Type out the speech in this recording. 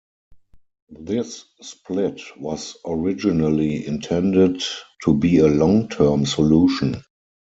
This split was originally intended to be a long-term solution.